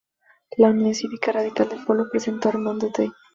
La Unión Cívica Radical del Pueblo presentó a Armando Day.